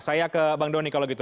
saya ke bang doni kalau gitu